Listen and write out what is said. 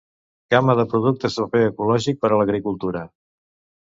Gamma de productes de paper ecològic per a l'agricultura.